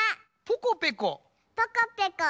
ポコペコ。